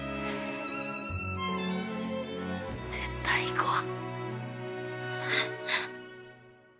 ぜ絶対行こう！